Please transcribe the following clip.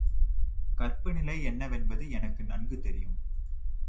கற்பு நிலை என்னவென்பது எனக்கு நன்கு தெரியும்.